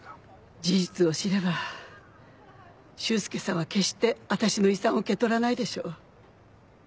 事実を知れば修介さんは決して私の遺産を受け取らないでしょう。